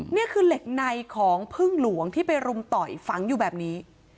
นี่คือเหล็กในของพึ่งหลวงที่ไปรุมต่อยฝังอยู่แบบนี้